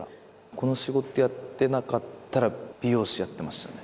この仕事やってなかったら、美容師やってましたね。